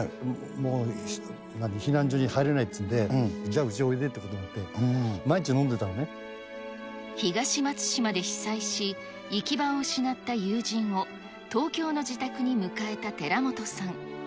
もう避難所に入れないっていうんで、じゃあ、うちおいでというこ東松島で被災し、行き場を失った友人を東京の自宅に迎えた寺本さん。